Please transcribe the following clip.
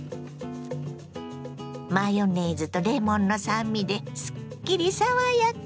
マヨネーズとレモンの酸味ですっきり爽やか。